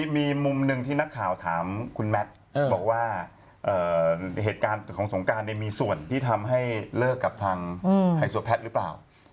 มีมุมหนึ่งที่นักขาวถามคุณแมทบอกว่าเหตุการณ์ของสงการมีส่วนที่ทำให้เลิกกับทำ